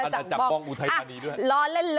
แต่เป็นอุตไทยธานีด้วย